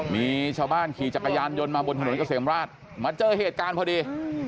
มีชาวบ้านขี่จักรยานยนต์มาบนถนนเกษมราชมาเจอเหตุการณ์พอดี